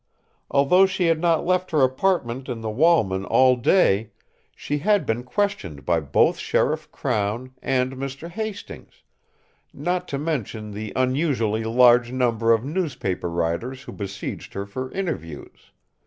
Although she had not left her apartment in the Walman all day, she had been questioned by both Sheriff Crown and Mr. Hastings, not to mention the unusually large number of newspaper writers who besieged her for interviews.